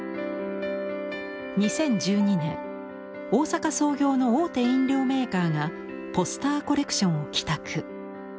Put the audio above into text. ２０１２年大阪創業の大手飲料メーカーがポスターコレクションを寄託。